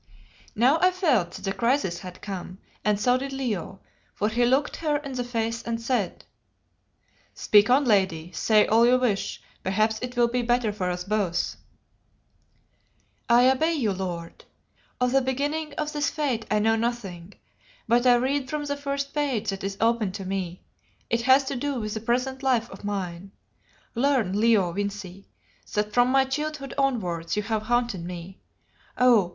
Now I felt that the crisis had come, and so did Leo, for he looked her in the face and said "Speak on, lady, say all you wish; perhaps it will be better for us both." "I obey you, lord. Of the beginning of this fate I know nothing, but I read from the first page that is open to me. It has to do with this present life of mine. Learn, Leo Vincey, that from my childhood onwards you have haunted me. Oh!